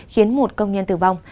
khiến một công nhân tử vong